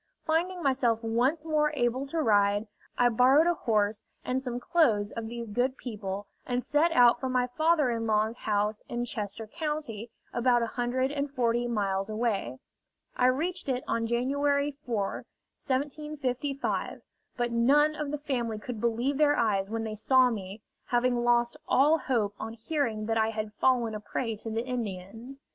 Finding myself once more able to ride, I borrowed a horse and some clothes of these good people, and set out for my father in law's house in Chester County, about a hundred and forty miles away. I reached it on January 4,1755; but none of the family could believe their eyes when they saw me, having lost all hope on hearing that I had fallen a prey to the Indians.